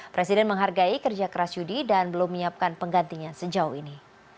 presiden menghargai kerja keras yudi dan belum menyiapkan penggantinya sejauh ini